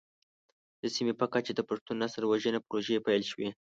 د سیمې په کچه د پښتون نسل وژنه پروژې پيل شوې.